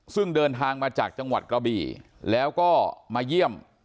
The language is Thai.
ซึ่งเดินทางมาจากจังหวัดกระบี่แล้วก็มาเยี่ยม